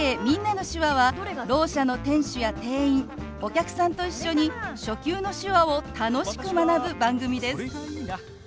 「みんなの手話」はろう者の店主や店員お客さんと一緒に初級の手話を楽しく学ぶ番組です。